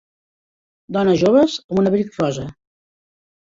Dones joves amb un abric rosa.